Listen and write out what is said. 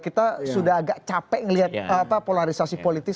kita sudah agak capek melihat polarisasi politis